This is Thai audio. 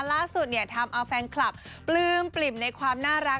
ล่าสุดเนี่ยทำเอาแฟนคลับปลื้มปลิ่มในความน่ารัก